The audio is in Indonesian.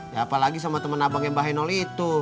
ya apalagi sama temen abang yang bahenol itu